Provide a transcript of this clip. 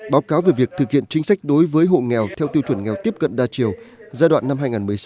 báo cáo về việc thực hiện chính sách đối với hộ nghèo theo tiêu chuẩn nghèo tiếp cận đa chiều giai đoạn năm hai nghìn một mươi hai nghìn hai mươi